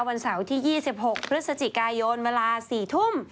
วันเสาร์ที่๒๖พฤศจิกายนเวลา๔ทุ่ม